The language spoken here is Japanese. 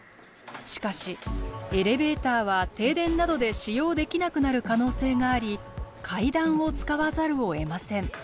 しかしエレベーターは停電などで使用できなくなる可能性があり階段を使わざるをえません。